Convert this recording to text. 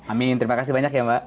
amin terima kasih banyak ya mbak